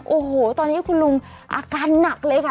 โอ้โหตอนนี้คุณลุงอาการหนักเลยค่ะ